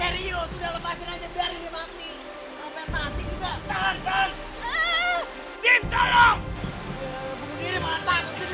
tidak tidak tidak tidak tidak pak